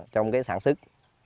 trong cái sản xuất